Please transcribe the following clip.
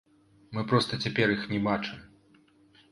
Мы проста цяпер іх не бачым!